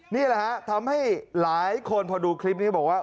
นี่แหละฮะทำให้หลายคนพอดูคลิปนี้บอกว่า